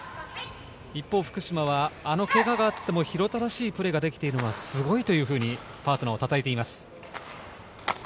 一方、福島はあのケガがあっても廣田らしいプレーができているのがすごいと、パートナーをたたえています。